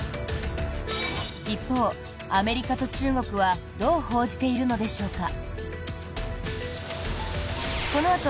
一方、アメリカと中国はどう報じているのでしょうか。